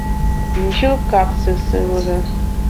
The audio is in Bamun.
Njù kap sùsù re.